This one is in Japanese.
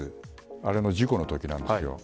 あれの事故のときだったんです。